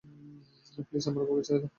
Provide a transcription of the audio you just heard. Please, আমার বাবাকে ছেড়ে দাও।